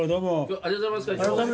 ・ありがとうございます会長。